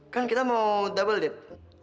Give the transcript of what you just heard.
kan kita mau double deep